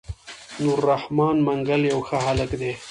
نور رحمن منګل يو ښه هلک دی.